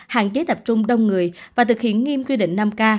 hạn chế tập trung đông người và thực hiện nghiêm quy định năm k